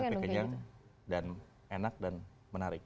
kita diet tapi kenyang dan enak dan menarik